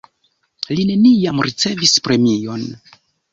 Li neniam ricevis premion.